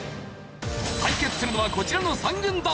対決するのはこちらの３軍団。